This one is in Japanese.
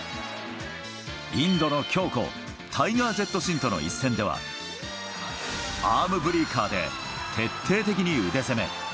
インドの狂虎、タイガー・ジェット・シンとの一戦では、アームブリーカーで徹底的に腕攻め。